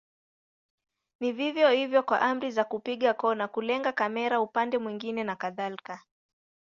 Ni vivyo hivyo kwa amri za kupiga kona, kulenga kamera upande mwingine na kadhalika.